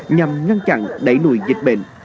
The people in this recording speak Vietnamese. nhằm ngăn chặn đẩy nùi dịch bệnh